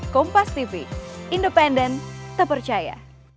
kompas tv independen terpercaya